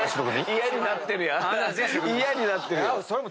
嫌になってるよ。